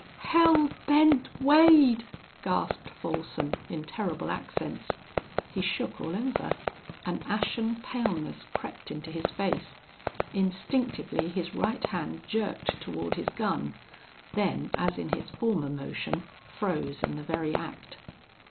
"Hell Bent Wade!" gasped Folsom, in terrible accents. He shook all over. An ashen paleness crept into his face. Instinctively his right hand jerked toward his gun; then, as in his former motion, froze in the very act.